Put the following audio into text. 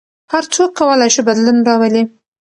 هر څوک کولای شي بدلون راولي.